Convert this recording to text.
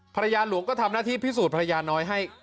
ภรรยาหลวงก็ทำหน้าที่พิสูจน์ภรรยาน้อยให้